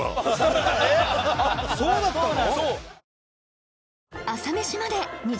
そうだったの！？